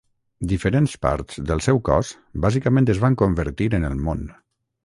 Diferents parts del seu cos, bàsicament es van convertir en el món.